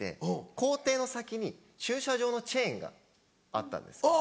校庭の先に駐車場のチェーンがあったんです。